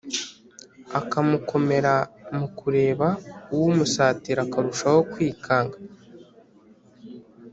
akamukomera mukureba uwumusatira akarushaho kwikanga